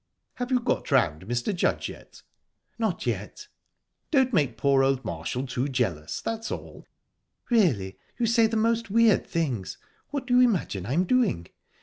"Have you got round Mr. Judge yet?" "Not yet." "Don't make poor old Marshall too jealous, that's all." "Really, you say the most weird things. What do you imagine I'm doing?